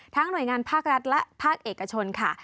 หน่วยงานภาครัฐและภาคเอกชนค่ะ